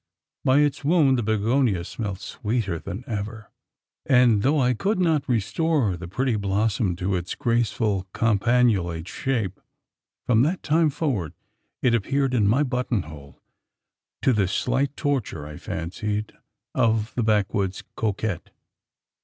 By its wound, the bignonia smelt sweeter than ever; and though I could not restore the pretty blossom to its graceful campanulate shape, from that time forward it appeared in my buttonhole to the slight torture, I fancied, of the backwoods coquette.